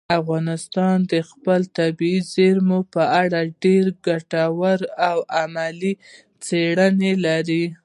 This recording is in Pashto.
افغانستان د خپلو طبیعي زیرمو په اړه ډېرې ګټورې او علمي څېړنې لري.